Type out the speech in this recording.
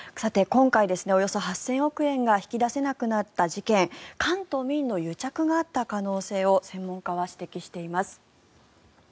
今回、およそ８０００億円が引き出せなくなった事件官と民の癒着があった可能性を専門家は指摘しています。